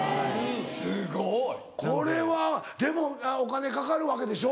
すごい！これはでもお金かかるわけでしょ？